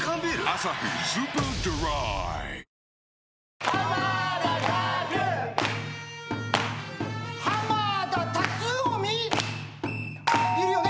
「アサヒスーパードライ」いるよね